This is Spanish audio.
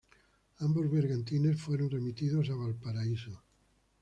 Ambos bergantines fueron remitidos a Valparaíso.